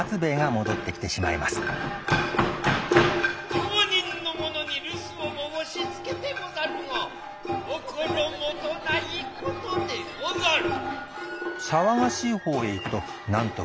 両人の者に留守を申付けてござるが心もとない事でござる。